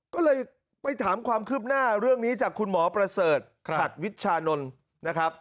ก็เลยไปถามความคืบหน้าเรื่องนี้จากคุณหมอประเสริฐขัดวิชานนท์นะครับ